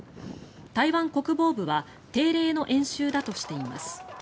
台湾国防部は定例の演習だとしています。